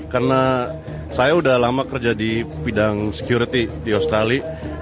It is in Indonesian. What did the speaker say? karena saya sudah lama kerja di bidang security di australia